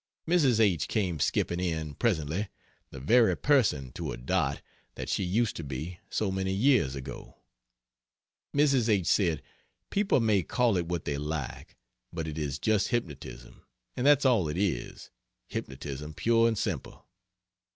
Mrs. H. came skipping in, presently, the very person, to a dot, that she used to be, so many years ago. Mrs. H. said: "People may call it what they like, but it is just hypnotism, and that's all it is hypnotism pure and simple.